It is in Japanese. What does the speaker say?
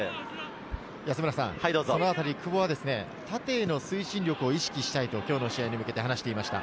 そのあたり久保は縦への推進力を意識したいと今日の試合に向けた話していました。